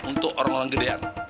untuk orang orang gedean